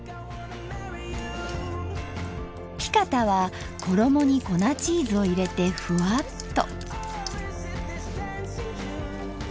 ピカタは衣に粉チーズを入れてふわっと。